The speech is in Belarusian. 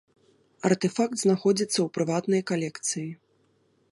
Артэфакт знаходзіцца ў прыватнай калекцыі.